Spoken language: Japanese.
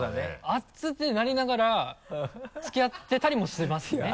「暑い」ってなりながら付き合ってたりもしますね。